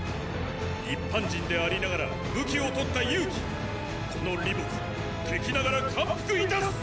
一般人でありながら武器をとった勇気この李牧敵ながら感服致す！